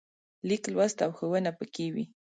لیک لوست او ښوونه پکې وي.